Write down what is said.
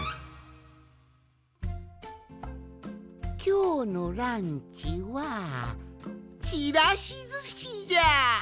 きょうのランチはちらしずしじゃ！